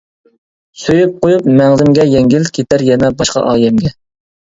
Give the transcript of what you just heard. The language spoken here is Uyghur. سۆيۈپ قويۇپ مەڭزىمگە يەڭگىل، كېتەر يەنە باشقا ئايەمگە.